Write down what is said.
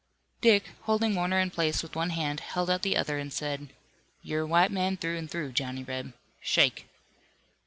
Dick, holding Warner in place with one hand, held out the other, and said: "You're a white man, through and through, Johnny Reb. Shake!"